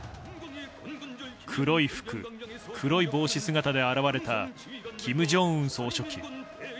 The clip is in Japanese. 黒い服、黒い帽子姿で現れた金正恩総書記。